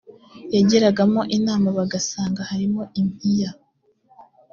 yagiragamo inama bagasanga harimo impiya